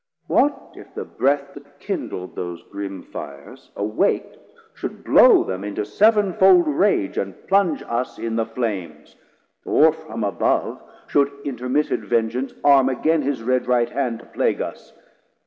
What if the breath that kindl'd those grim fires 170 Awak'd should blow them into sevenfold rage And plunge us in the Flames? or from above Should intermitted vengeance Arme again His red right hand to plague us?